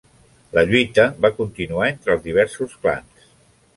La lluita va continuar entre els diversos clans.